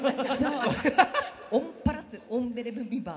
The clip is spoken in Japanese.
オンバラオンベレブンビンバー。